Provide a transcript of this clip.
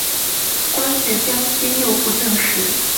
官至江西右布政使。